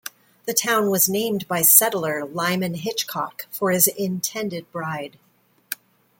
The town was named by settler Lyman Hitchcock for his intended bride.